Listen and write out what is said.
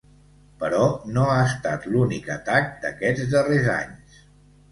Però no ha estat l’únic atac d’aquests darrers anys.